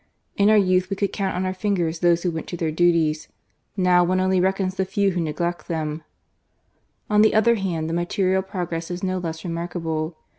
In our youth we could count on our fingers those who went to their duties ; now 246 GARCIA MORENO. ■one only reckons the few who neglect them. On the other hand, the material progress is no less remarkable.